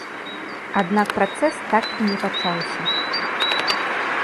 Аднак працэс так і не пачаўся.